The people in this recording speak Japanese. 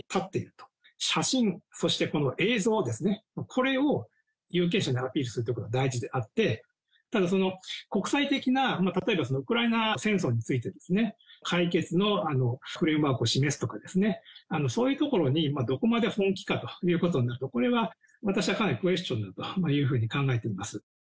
その写真、そして映像、これを有権者にアピールすることが大事であって、ただ、国際的な、例えばウクライナ戦争について、解決のフレームワークを示すとか、そういうところにどこまで本気かということになると、これは私はかなりクエスチョンだというふうに考えております。